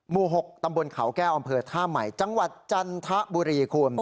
หมู่๖ตำบลเขาแก้วอำเภอท่าใหม่จังหวัดจันทบุรีคุณ